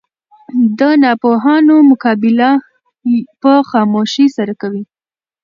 د ناپوهانو مقابله په خاموشي سره کوئ!